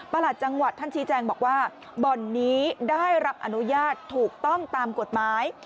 หลัดจังหวัดท่านชี้แจงบอกว่าบ่อนนี้ได้รับอนุญาตถูกต้องตามกฎหมาย